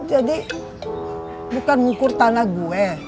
jadi bukan ngukur tanah gue